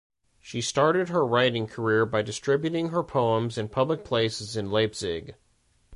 She started her writing career by distributing her poems in public places in Leipzig.